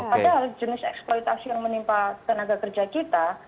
padahal jenis eksploitasi yang menimpa tenaga kerja kita